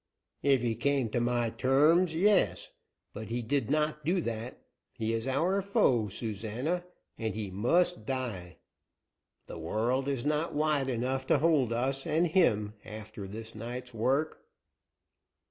"If he came to my terms, yes, but he did not do that. He is our foe, Susana, and he must die. The world is not wide enough to hold us and him, after this night's work."